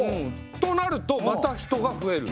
となるとまた人が増える。